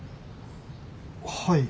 はい。